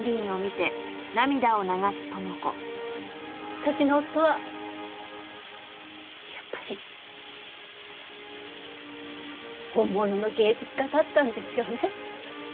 私の夫はやっぱり本物の芸術家だったんですよね？